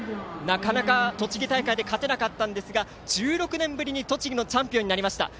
なかなか、栃木大会で勝てなかったんですが１６年ぶりの栃木のチャンピオンになりました。